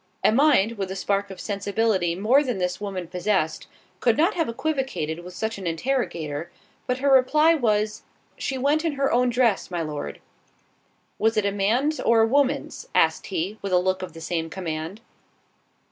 A mind, with a spark of sensibility more than this woman possessed, could not have equivocated with such an interrogator, but her reply was, "She went in her own dress, my Lord." "Was it a man's or a woman's?" asked he, with a look of the same command.